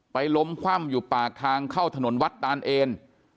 ล้มคว่ำอยู่ปากทางเข้าถนนวัดตานเอน